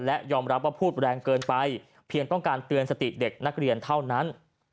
และยอมรับว่าพูดแรงเกินไปเพียงต้องการเตือนสติเด็กนักเรียนเท่านั้น